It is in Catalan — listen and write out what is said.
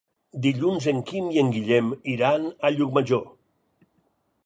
Dilluns en Quim i en Guillem iran a Llucmajor.